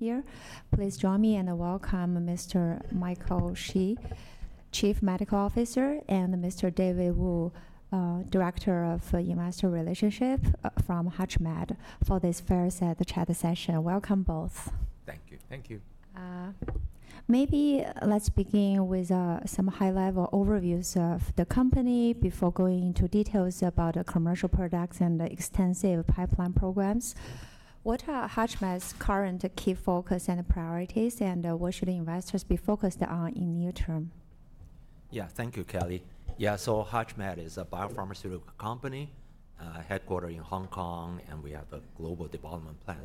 Here. Please join me in welcoming Mr. Michael Shi, Chief Medical Officer, and Mr. David Ng, Director of Investor Relationship from HUTCHMED, for this first chat session. Welcome both. Thank you. Thank you. Maybe let's begin with some high-level overviews of the company before going into details about the commercial products and extensive pipeline programs. What are HUTCHMED's current key focus and priorities, and what should investors be focused on in the near term? Yeah, thank you, Kelly. Yeah, so HUTCHMED is a biopharmaceutical company, headquartered in Hong Kong, and we have a global development plan.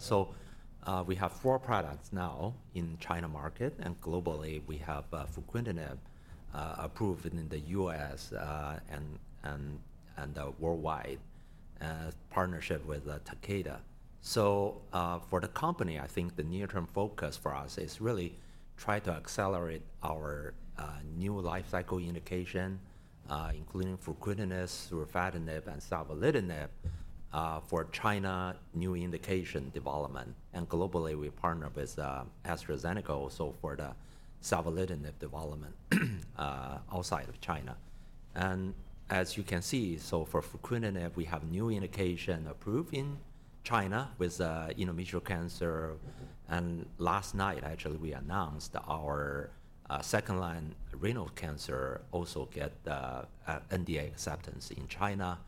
We have four products now in the China market, and globally we have fruquintinib approved in the U.S. and worldwide, partnership with Takeda. For the company, I think the near-term focus for us is really trying to accelerate our new life cycle indication, including fruquintinib, surufatinib, and savolitinib for China new indication development. Globally we partner with AstraZeneca, also for the savolitinib development outside of China. As you can see, for fruquintinib, we have new indication approved in China with endometrial cancer. Last night, actually, we announced our second-line renal cancer also got NDA acceptance in China.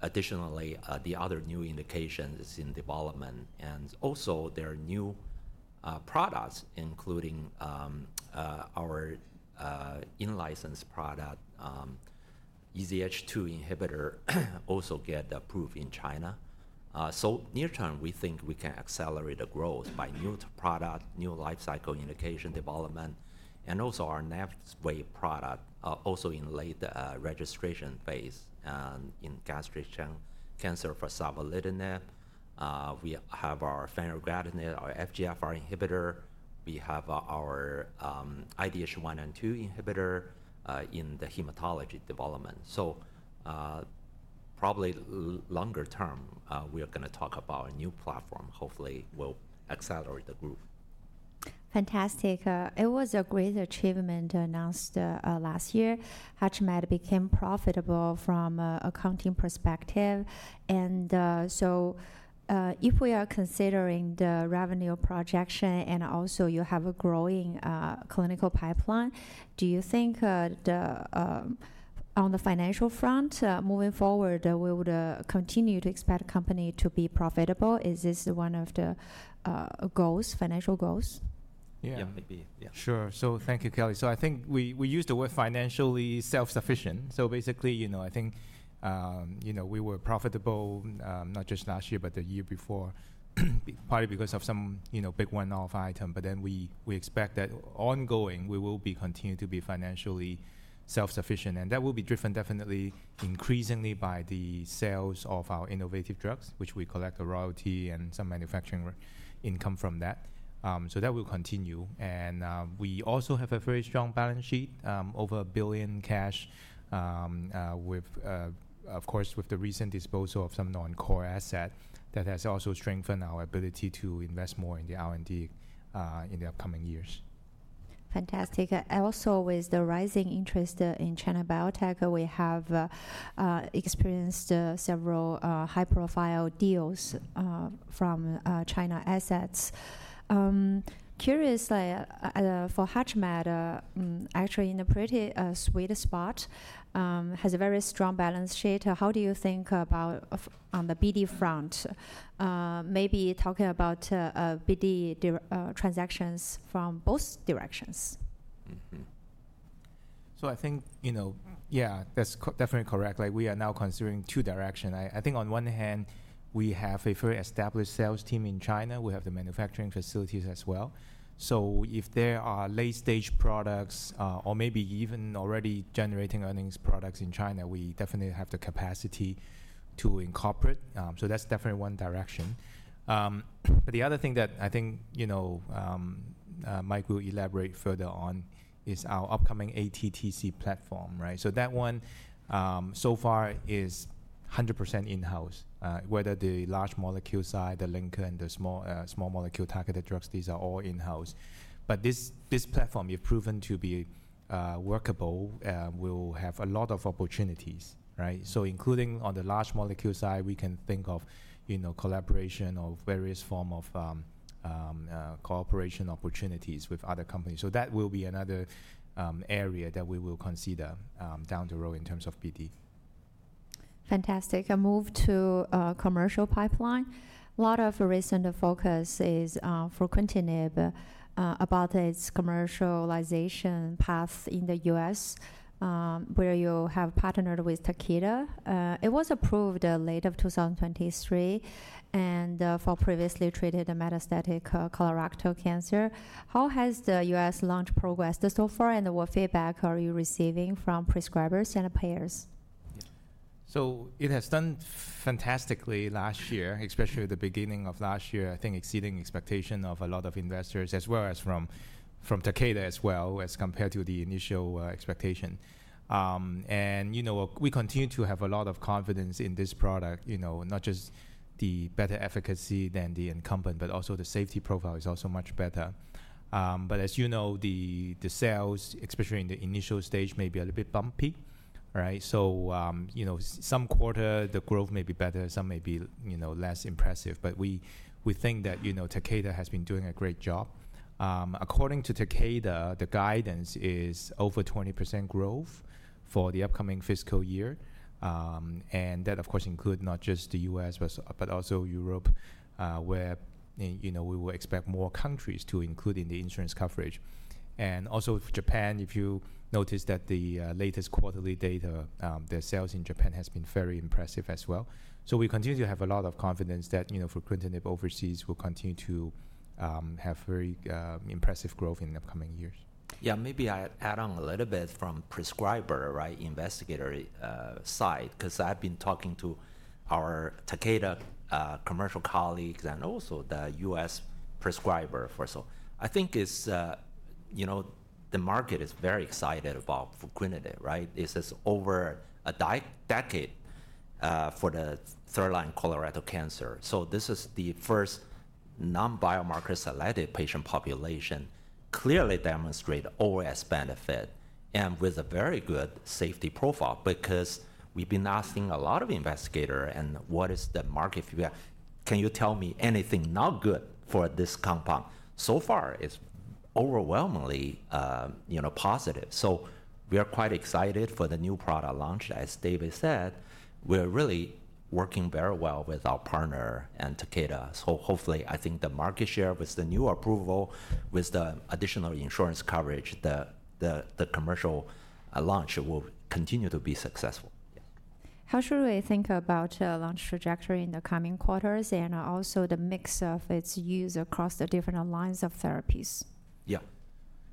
Additionally, the other new indication is in development. Also there are new products, including our in-license product, EZH2 inhibitor, also got approved in China. Near-term, we think we can accelerate the growth by new product, new life cycle indication development, and also our next wave product also in late registration phase in gastric cancer for Savolitinib. We have our fruquintinib, our FGFR inhibitor. We have our IDH1 and IDH2 inhibitor in the hematology development. Probably longer term, we are going to talk about a new platform, hopefully will accelerate the growth. Fantastic. It was a great achievement announced last year. HUTCHMED became profitable from an accounting perspective. If we are considering the revenue projection and also you have a growing clinical pipeline, do you think on the financial front, moving forward, we would continue to expect the company to be profitable? Is this one of the goals, financial goals? Yeah, maybe. Yeah. Sure. So thank you, Kelly. I think we used the word financially self-sufficient. Basically, you know, I think, you know, we were profitable not just last year, but the year before, probably because of some big one-off item. We expect that ongoing we will be continuing to be financially self-sufficient. That will be driven definitely increasingly by the sales of our innovative drugs, which we collect a royalty and some manufacturing income from. That will continue. We also have a very strong balance sheet, over 1 billion cash, of course, with the recent disposal of some non-core asset that has also strengthened our ability to invest more in the R&D in the upcoming years. Fantastic. Also, with the rising interest in China biotech, we have experienced several high-profile deals from China assets. Curious, for HUTCHMED, actually in a pretty sweet spot, has a very strong balance sheet. How do you think about on the BD front? Maybe talking about BD transactions from both directions. I think, you know, yeah, that's definitely correct. Like we are now considering two directions. I think on one hand, we have a very established sales team in China. We have the manufacturing facilities as well. If there are late-stage products or maybe even already generating earnings products in China, we definitely have the capacity to incorporate. That's definitely one direction. The other thing that I think, you know, Mike will elaborate further on is our upcoming ATTC platform, right? That one so far is 100% in-house, whether the large molecule side, the linker, and the small molecule targeted drugs, these are all in-house. This platform, if proven to be workable, will have a lot of opportunities, right? Including on the large molecule side, we can think of, you know, collaboration or various forms of cooperation opportunities with other companies. That will be another area that we will consider down the road in terms of BD. Fantastic. Move to commercial pipeline. A lot of recent focus is Fruquintinib about its commercialization path in the U.S., where you have partnered with Takeda. It was approved late 2023 and for previously treated metastatic colorectal cancer. How has the U.S. launch progressed so far? And what feedback are you receiving from prescribers and payers? It has done fantastically last year, especially at the beginning of last year, I think exceeding expectation of a lot of investors, as well as from Takeda as well, as compared to the initial expectation. You know, we continue to have a lot of confidence in this product, you know, not just the better efficacy than the incumbent, but also the safety profile is also much better. As you know, the sales, especially in the initial stage, may be a little bit bumpy, right? You know, some quarter the growth may be better, some may be, you know, less impressive. We think that, you know, Takeda has been doing a great job. According to Takeda, the guidance is over 20% growth for the upcoming fiscal year. That, of course, includes not just the U.S., but also Europe, where, you know, we will expect more countries to include in the insurance coverage. Also, Japan, if you notice that the latest quarterly data, the sales in Japan have been very impressive as well. We continue to have a lot of confidence that, you know, fruquintinib overseas will continue to have very impressive growth in the upcoming years. Yeah, maybe I add on a little bit from prescriber, right, investigator side, because I've been talking to our Takeda commercial colleagues and also the U.S. prescriber for so. I think it's, you know, the market is very excited about Fruquintinib, right? This is over a decade for the third-line colorectal cancer. So this is the first non-biomarker selected patient population clearly demonstrated OS benefit and with a very good safety profile because we've been asking a lot of investigators and what is the market feedback. Can you tell me anything not good for this compound? So far it's overwhelmingly, you know, positive. We are quite excited for the new product launch. As David said, we're really working very well with our partner and Takeda. Hopefully I think the market share with the new approval, with the additional insurance coverage, the commercial launch will continue to be successful. How should we think about launch trajectory in the coming quarters and also the mix of its use across the different lines of therapies? Yeah.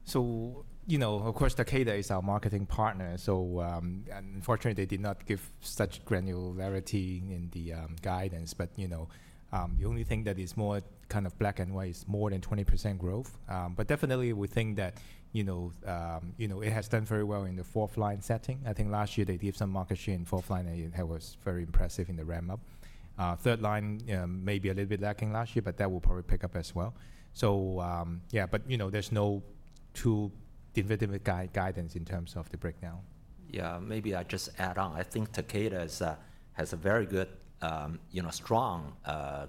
So, you know, of course, Takeda is our marketing partner. Unfortunately, they did not give such granularity in the guidance. You know, the only thing that is more kind of black and white is more than 20% growth. Definitely we think that, you know, it has done very well in the fourth-line setting. I think last year they did some market share in fourth-line, and it was very impressive in the ramp-up. Third-line may be a little bit lacking last year, but that will probably pick up as well. Yeah, you know, there's no true definitive guidance in terms of the breakdown. Yeah, maybe I just add on. I think Takeda has a very good, you know, strong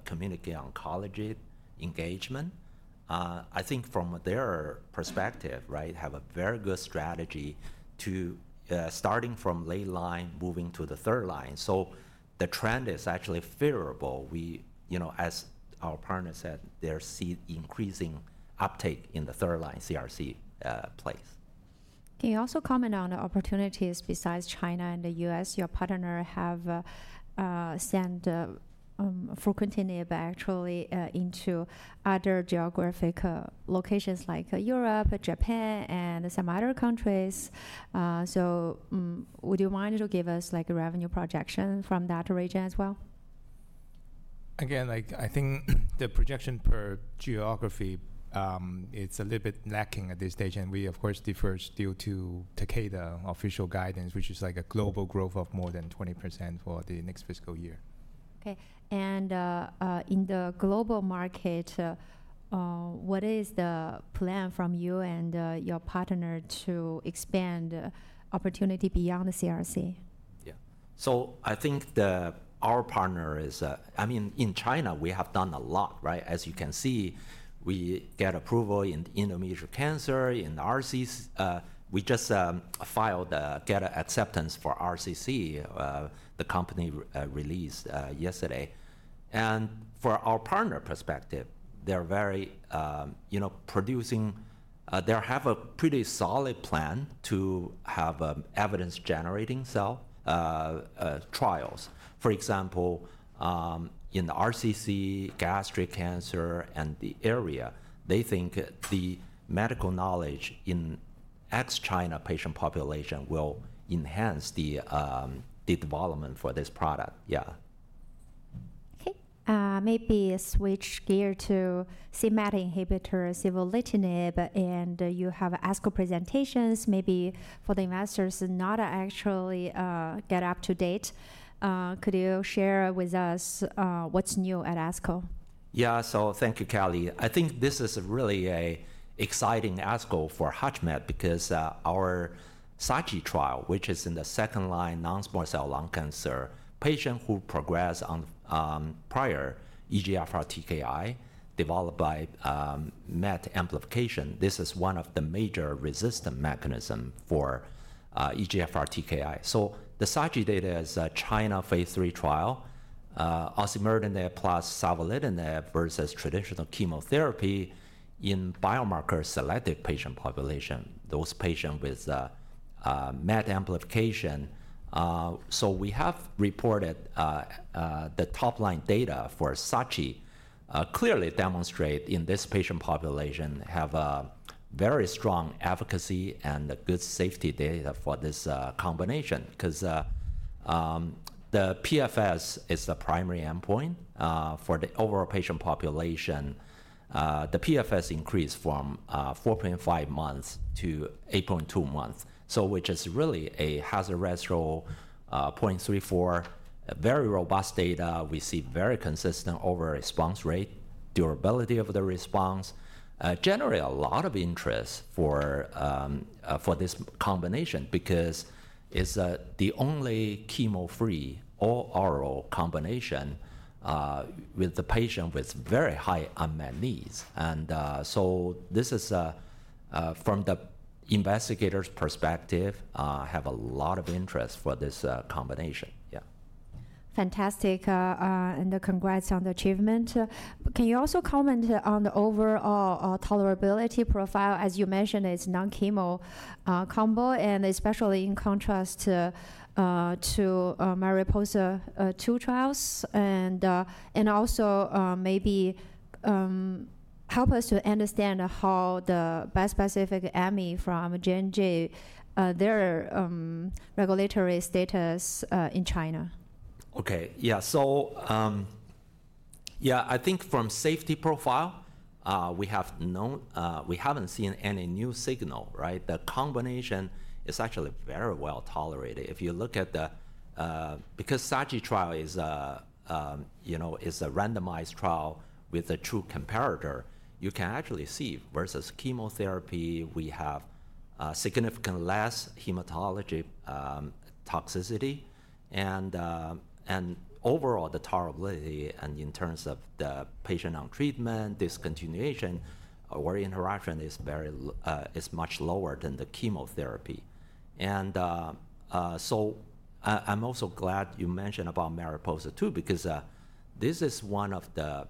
communication oncology engagement. I think from their perspective, right, have a very good strategy to starting from late line, moving to the third-line. So the trend is actually favorable. We, you know, as our partner said, they're seeing increasing uptake in the third-line CRC place. Can you also comment on opportunities besides China and the U.S.? Your partner have sent fruquintinib actually into other geographic locations like Europe, Japan, and some other countries. Would you mind to give us like a revenue projection from that region as well? Again, like I think the projection per geography, it's a little bit lacking at this stage. We, of course, defer still to Takeda official guidance, which is like a global growth of more than 20% for the next fiscal year. Okay. In the global market, what is the plan from you and your partner to expand opportunity beyond the CRC? Yeah. I think our partner is, I mean, in China, we have done a lot, right? As you can see, we get approval in endometrial cancer, in RCC. We just filed a data acceptance for RCC, the company released yesterday. For our partner perspective, they're very, you know, producing, they have a pretty solid plan to have evidence-generating cell trials. For example, in the RCC, gastric cancer and the area, they think the medical knowledge in ex-China patient population will enhance the development for this product. Yeah. Okay. Maybe switch gear to c-Met inhibitor, Savolitinib, and you have ASCO presentations. Maybe for the investors, not actually get up to date. Could you share with us what's new at ASCO? Yeah, so thank you, Kelly. I think this is really an exciting ASCO for HUTCHMED because our SACHI trial, which is in the second-line non-small cell lung cancer patient who progressed on prior EGFR TKI developed by MET amplification, this is one of the major resistance mechanisms for EGFR TKI. The SACHI data is a China phase three trial, osimertinib plus savolitinib versus traditional chemotherapy in biomarker selected patient population, those patients with MET amplification. We have reported the top-line data for SACHI clearly demonstrate in this patient population have a very strong efficacy and good safety data for this combination because the PFS is the primary endpoint for the overall patient population. The PFS increased from 4.5 months to 8.2 months, which is really a hazard ratio 0.34, very robust data. We see very consistent overall response rate, durability of the response. Generally, a lot of interest for this combination because it's the only chemo-free oral combination with the patient with very high unmet needs. This is from the investigator's perspective, have a lot of interest for this combination. Yeah. Fantastic. Congrats on the achievement. Can you also comment on the overall tolerability profile? As you mentioned, it's non-chemo combo, especially in contrast to MARIPOSA two trials. Also, maybe help us to understand how the bispecific AMI from J&J, their regulatory status in China. Okay. Yeah. So yeah, I think from safety profile, we have known, we haven't seen any new signal, right? The combination is actually very well tolerated. If you look at the, because SACHI trial is, you know, is a randomized trial with a true comparator, you can actually see versus chemotherapy, we have significantly less hematology toxicity. Overall, the tolerability and in terms of the patient on treatment, discontinuation, or interaction is very, is much lower than the chemotherapy. I'm also glad you mentioned about MARIPOSA two because this is one of the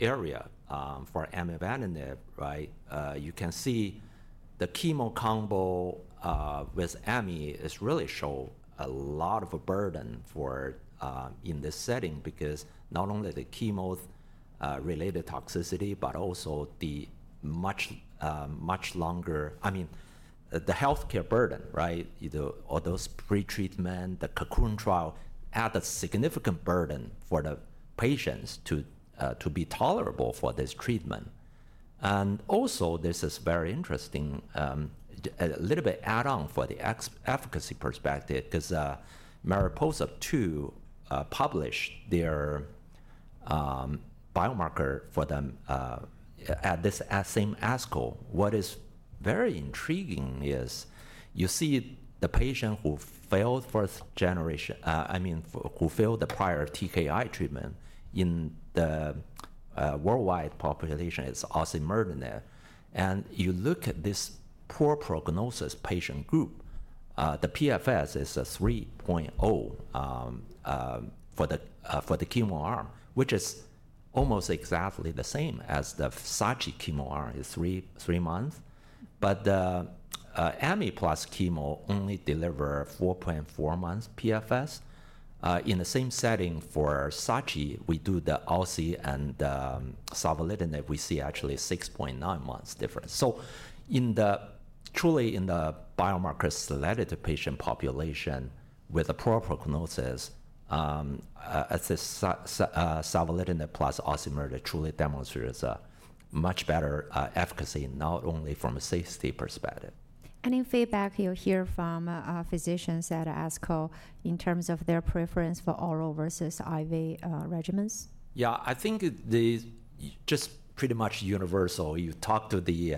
area for amivantanab, right? You can see the chemo combo with AMI is really show a lot of burden in this setting because not only the chemo related toxicity, but also the much, much longer, I mean, the healthcare burden, right? All those pretreatment, the KUKURN trial add a significant burden for the patients to be tolerable for this treatment. Also, this is very interesting, a little bit add on for the efficacy perspective because MARIPOSA 2 published their biomarker for them at this same ASCO. What is very intriguing is you see the patient who failed first generation, I mean, who failed the prior TKI treatment in the worldwide population is osimertinib. You look at this poor prognosis patient group, the PFS is 3.0 for the chemo arm, which is almost exactly the same as the SACHI chemo arm is three months. AMI plus chemo only deliver 4.4 months PFS. In the same setting for SACHI, we do the OSI and savolitinib, we see actually 6.9 months difference. In the truly in the biomarker selected patient population with a poor prognosis, savolitinib plus osimertinib truly demonstrates a much better efficacy, not only from a safety perspective. Any feedback you hear from physicians at ASCO in terms of their preference for oral versus IV regimens? Yeah, I think they're just pretty much universal. You talk to the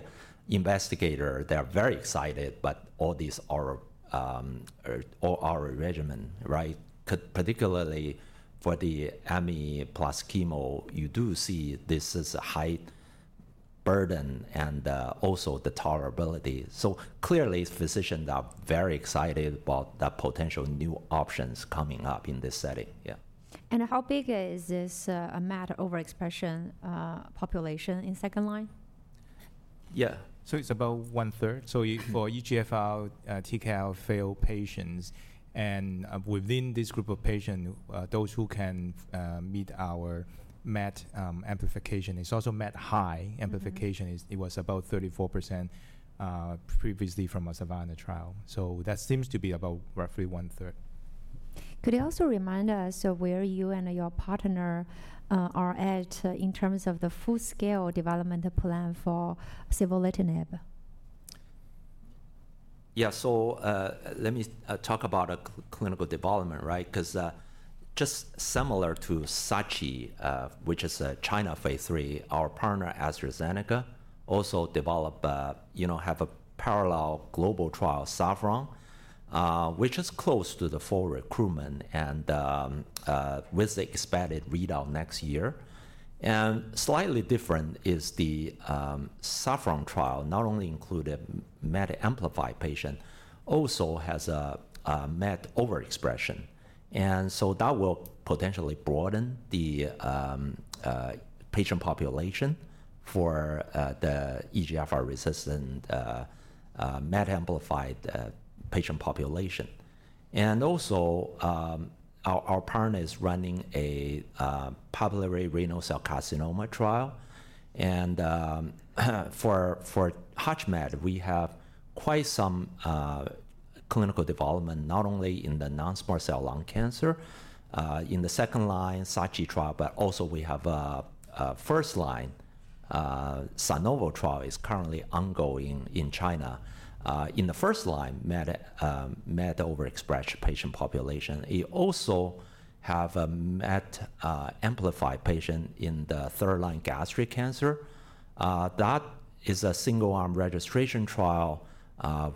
investigator, they're very excited, but all these are oral regimen, right? Particularly for the AMI plus chemo, you do see this is a high burden and also the tolerability. Clearly physicians are very excited about the potential new options coming up in this setting. Yeah. How big is this MET overexpression population in second line? Yeah. So it's about 1/3. For EGFR TKI failed patients and within this group of patients, those who can meet our MET amplification, it's also MET high amplification, it was about 34% previously from a SAVANNA trial. That seems to be about roughly one third. Could you also remind us of where you and your partner are at in terms of the full scale development plan for savolitinib? Yeah. Let me talk about clinical development, right? Because just similar to SACHI, which is a China phase three, our partner AstraZeneca also developed, you know, have a parallel global trial, Safron, which is close to the full recruitment and with the expected readout next year. Slightly different is the Safron trial not only included MET amplified patient, also has a MET overexpression. That will potentially broaden the patient population for the EGFR resistant MET amplified patient population. Also our partner is running a papillary renal cell carcinoma trial. For HUTCHMED, we have quite some clinical development, not only in the non-small cell lung cancer, in the second line SACHI trial, but also we have a first line Sanovo trial is currently ongoing in China. In the first line, MET overexpressed patient population. We also have a MET amplified patient in the third line gastric cancer. That is a single arm registration trial.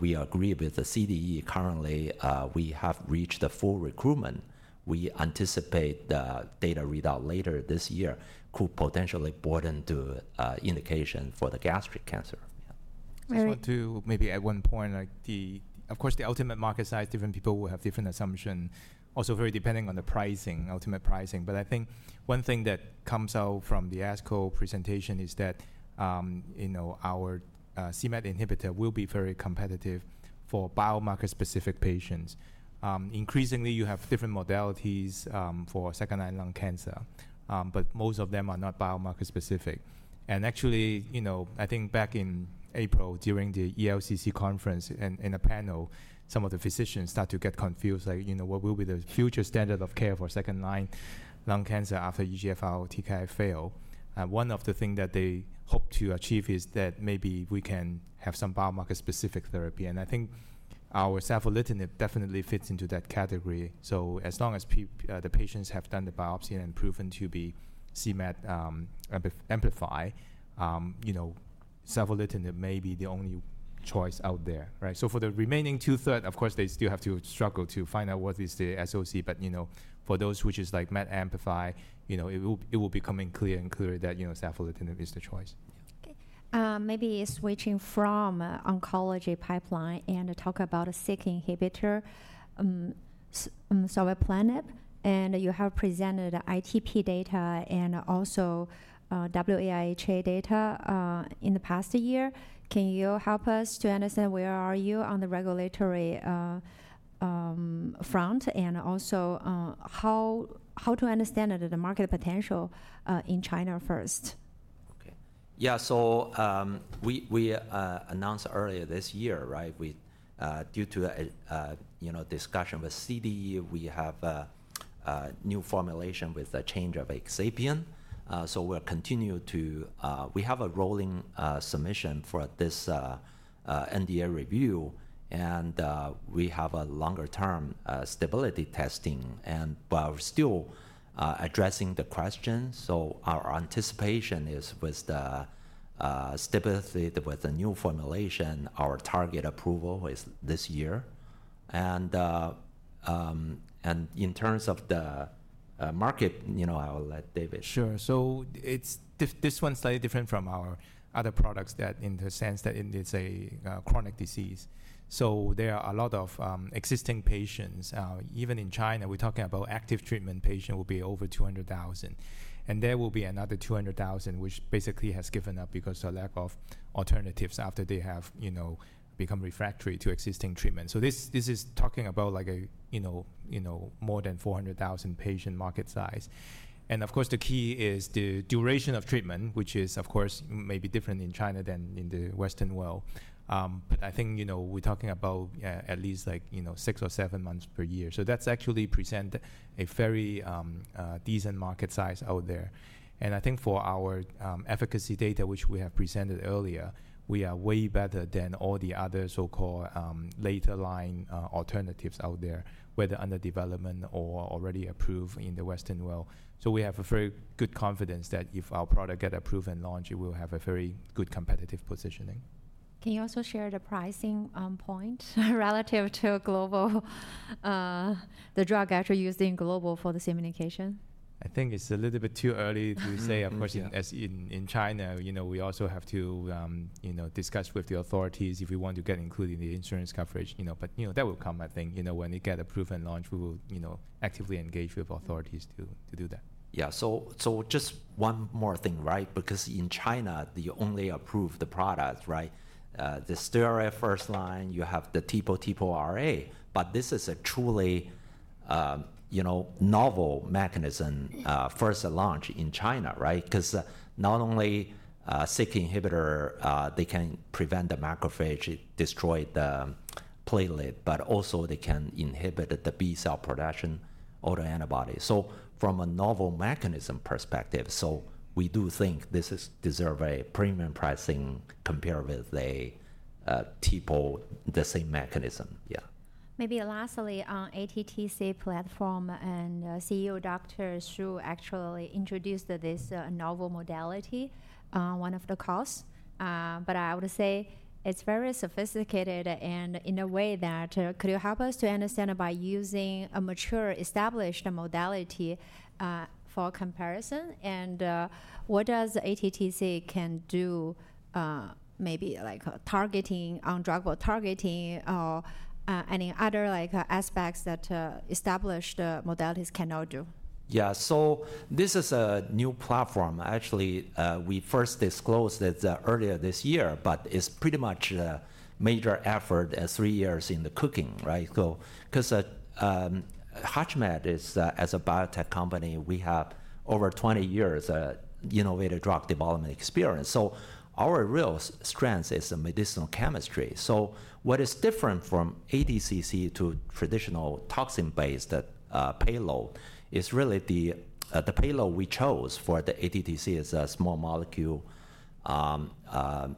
We agree with the CDE. Currently, we have reached the full recruitment. We anticipate the data readout later this year could potentially broaden the indication for the gastric cancer. I just want to maybe at one point, of course, the ultimate market size, different people will have different assumptions, also very depending on the pricing, ultimate pricing. I think one thing that comes out from the ASCO presentation is that, you know, our c-Met inhibitor will be very competitive for biomarker specific patients. Increasingly, you have different modalities for second line lung cancer, but most of them are not biomarker specific. Actually, you know, I think back in April during the ELCC conference and in a panel, some of the physicians start to get confused, like, you know, what will be the future standard of care for second line lung cancer after EGFR TKI fail? One of the things that they hope to achieve is that maybe we can have some biomarker specific therapy. I think our savolitinib definitely fits into that category. As long as the patients have done the biopsy and proven to be MET amplified, you know, savolitinib may be the only choice out there, right? For the remaining two thirds, of course, they still have to struggle to find out what is the SOC. But you know, for those which is like MET amplified, you know, it will be coming clear and clear that, you know, savolitinib is the choice. Okay. Maybe switching from oncology pipeline and talk about a Syk inhibitor, sovleplenib, and you have presented ITP data and also wAIHA data in the past year. Can you help us to understand where are you on the regulatory front and also how to understand the market potential in China first? Okay. Yeah. So we announced earlier this year, right? Due to, you know, discussion with CDE, we have a new formulation with a change of excipient. So we'll continue to, we have a rolling submission for this NDA review and we have a longer term stability testing, but we're still addressing the question. Our anticipation is with the stability with the new formulation, our target approval is this year. In terms of the market, you know, I'll let David. Sure. This one's slightly different from our other products in the sense that it's a chronic disease. There are a lot of existing patients, even in China. We're talking about active treatment patients will be over 200,000, and there will be another 200,000, which basically has given up because of lack of alternatives after they have, you know, become refractory to existing treatment. This is talking about like a, you know, more than 400,000 patient market size. Of course, the key is the duration of treatment, which is of course maybe different in China than in the Western world. I think, you know, we're talking about at least like, you know, six or seven months per year. That's actually presented a very decent market size out there. I think for our efficacy data, which we have presented earlier, we are way better than all the other so-called later line alternatives out there, whether under development or already approved in the Western world. We have a very good confidence that if our product gets approved and launched, it will have a very good competitive positioning. Can you also share the pricing point relative to global, the drug actually used in global for the same indication? I think it's a little bit too early to say. Of course, in China, you know, we also have to, you know, discuss with the authorities if we want to get included in the insurance coverage, you know, but you know, that will come. I think, you know, when it gets approved and launched, we will, you know, actively engage with authorities to do that. Yeah. So just one more thing, right? Because in China, they only approve the product, right? The steroid first line, you have the TPO, TPO-RA, but this is a truly, you know, novel mechanism first launched in China, right? Because not only Syk inhibitor, they can prevent the macrophage, destroy the platelet, but also they can inhibit the B cell production autoantibody. From a novel mechanism perspective, we do think this deserves a premium pricing compared with the TPO, the same mechanism. Yeah. Maybe lastly on ATTC platform and CEO Dr. Xu actually introduced this novel modality, one of the costs, but I would say it's very sophisticated and in a way that could you help us to understand by using a mature established modality for comparison? What does ATTC can do, maybe like targeting on drug or targeting or any other like aspects that established modalities cannot do? Yeah. This is a new platform. Actually, we first disclosed it earlier this year, but it's pretty much a major effort at three years in the cooking, right? Because HUTCHMED is, as a biotech company, we have over 20 years of innovative drug development experience. Our real strength is medicinal chemistry. What is different from ATTC to traditional toxin-based payload is really the payload we chose for the ATTC is a small molecule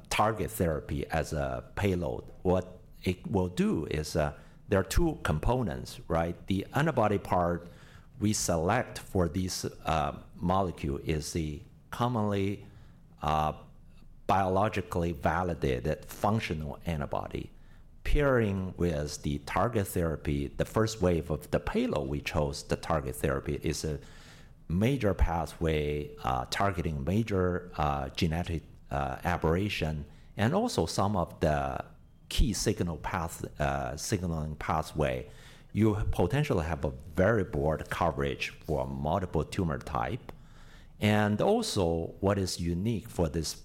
target therapy as a payload. What it will do is there are two components, right? The antibody part we select for this molecule is the commonly biologically validated functional antibody. Pairing with the target therapy, the first wave of the payload we chose, the target therapy is a major pathway targeting major genetic aberration and also some of the key signal pathway. You potentially have a very broad coverage for multiple tumor types. What is unique for this,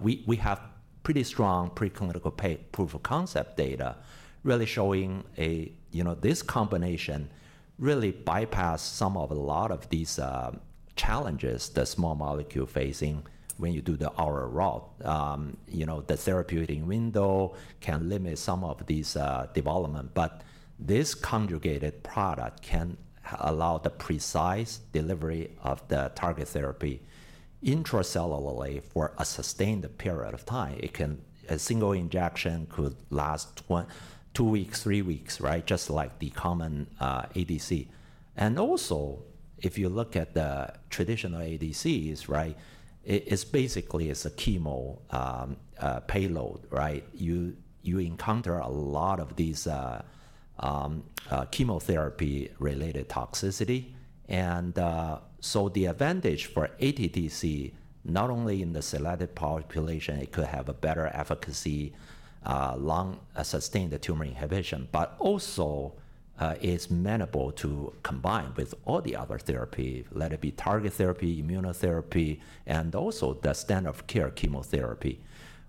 we have pretty strong preclinical proof of concept data really showing a, you know, this combination really bypasses some of a lot of these challenges, the small molecule phasing. When you do the RR route, you know, the therapeutic window can limit some of these developments, but this conjugated product can allow the precise delivery of the target therapy intracellularly for a sustained period of time. A single injection could last two weeks, three weeks, right? Just like the common ADC. If you look at the traditional ADCs, right? It is basically a chemo payload, right? You encounter a lot of these chemotherapy related toxicity. The advantage for ATTC, not only in the selected population, it could have a better efficacy, long sustained tumor inhibition, but also it's amenable to combine with all the other therapy, let it be target therapy, immunotherapy, and also the standard of care chemotherapy.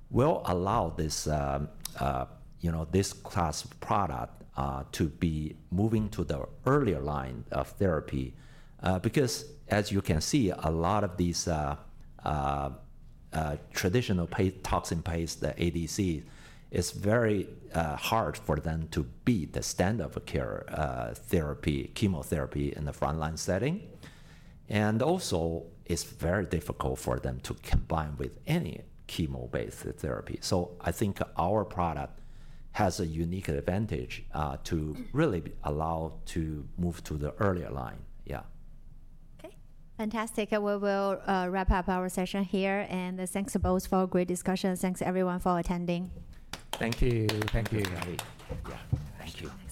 We'll allow this, you know, this class product to be moving to the earlier line of therapy because as you can see, a lot of these traditional toxin-based ADCs, it is very hard for them to beat the standard of care therapy, chemotherapy in the front line setting. It is also very difficult for them to combine with any chemo-based therapy. I think our product has a unique advantage to really allow to move to the earlier line. Yeah. Okay. Fantastic. We will wrap up our session here and thanks both for a great discussion. Thanks everyone for attending. Thank you. Thank you. Yeah. Thank you. Thank you.